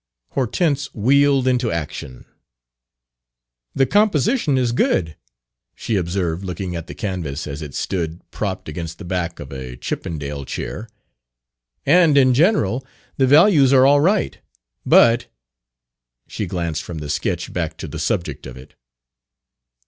Hortense wheeled into action. "The composition is good," she observed, looking at the canvas as it stood propped against the back of a Chippendale chair; "and, in general, the values are all right. But " She glanced from the sketch back to the subject of it.